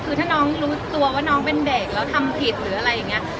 คือถ้าน้องรู้ตัวว่าน้องเป็นเด็กแล้วทำผิดหรืออะไรอย่างนี้